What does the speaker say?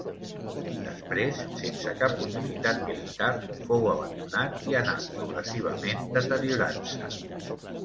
Després, sense cap utilitat militar, fou abandonat i anà progressivament deteriorant-se.